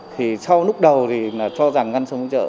thì sau lúc đầu thì cho rằng ngăn sống chợ